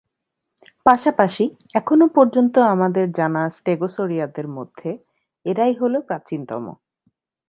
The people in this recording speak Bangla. পাশাপাশি এখনও পর্যন্ত আমাদের জানা "স্টেগোসরিয়া"দের মধ্যে এরাই হল প্রাচীনতম।